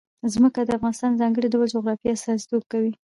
ځمکه د افغانستان د ځانګړي ډول جغرافیه استازیتوب کوي.